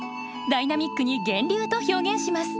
ダイナミックに「源流」と表現します。